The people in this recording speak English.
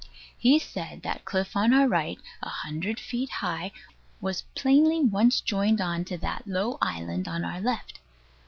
He said that cliff on our right, a hundred feet high, was plainly once joined on to that low island on our left.